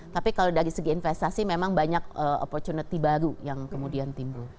tapi kalau dari segi investasi memang banyak opportunity baru yang kemudian timbul